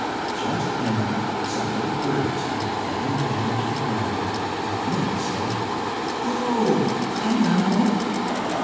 Just then some little birds came flying down to the ground, and Minnie said: "Oh, I know."